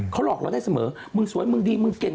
เขาหลอกเราได้เสมอมึงสวยมึงดีมึงเก่ง